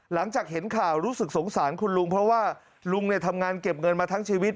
หลังจากเห็นข่าวรู้สึกสงสารคุณลุงเพราะว่าลุงทำงานเก็บเงินมาทั้งชีวิต